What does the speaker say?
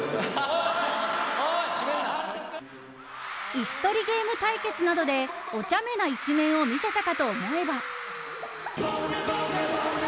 椅子取りゲーム対決などでお茶目な一面を見せたかと思えば。